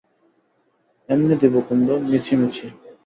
এমনি দেব কুন্দ, মিছিমিছি।